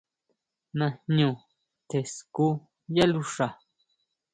Ñajñu tjen skú yá luxa.